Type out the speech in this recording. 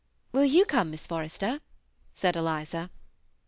" Will you come, Miss Forrester ?" said Eliza.